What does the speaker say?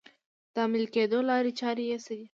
د عملي کېدو لارې چارې یې څه دي؟